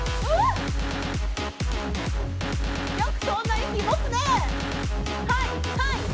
よくそんな息持つね！